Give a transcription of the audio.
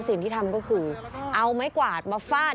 สิ่งที่ทำก็คือเอาไม้กวาดมาฟาด